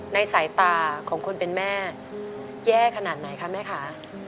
สายตาของคนเป็นแม่แย่ขนาดไหนคะแม่คะ